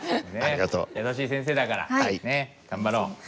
優しい先生だから頑張ろう。